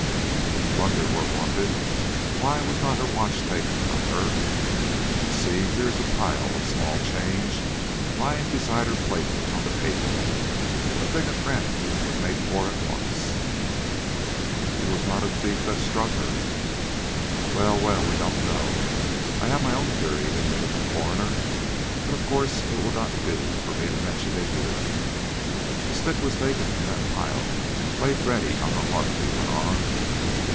If plunder were wanted, why was not her watch taken from her? And see, here is a pile of small change lying beside her plate on the table, a thing a tramp would make for at once." "It was not a thief that struck her." "Well, well, we don't know. I have my own theory," admitted the coroner; "but, of course, it will not do for me to mention it here. The stick was taken from that pile laid ready on the hearth," he went on.